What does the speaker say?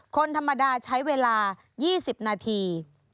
คนธรรมดาใช้เวลา๒๐นาที